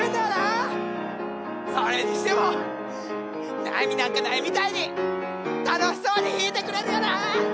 それにしても悩みなんかないみたいに楽しそうに弾いてくれるよな！